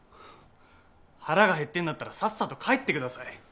腹が減ってんだったらさっさと帰ってください。